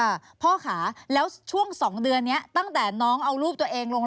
ค่ะพ่อค่ะแล้วช่วงสองเดือนเนี้ยตั้งแต่น้องเอารูปตัวเองลง